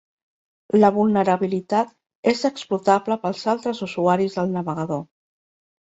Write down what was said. La vulnerabilitat és explotable pels altres usuaris del navegador.